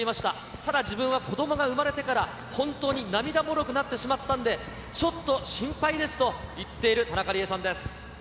ただ、自分は子どもが産まれてから、本当に涙もろくなってしまったんで、ちょっと心配ですと言っている田中理恵さんです。